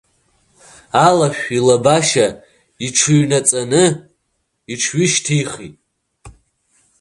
Алашә илабашьа иҽыҩнаҵаны иҽҩышьҭихит.